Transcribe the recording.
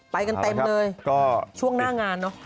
ไปกันเต็มเลยช่วงหน้างาน